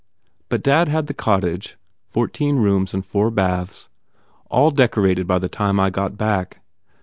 But dad had the cottage (four teen rooms and four baths) all decorated by the time I got back.